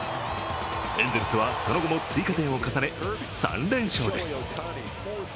エンゼルスはその後も追加点を重ね３連勝です。